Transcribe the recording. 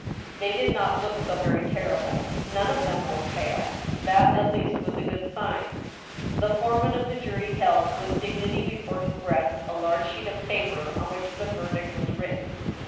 They did not look so very terrible. None of them were pale. That, at least, was a good sign. The foreman of the jury held vsrith dignity before his breast a large sheet of paper, on which the verdict was written.